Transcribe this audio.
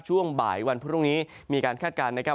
ช่วงบ่ายวันพรุ่งนี้มีการคาดการณ์นะครับ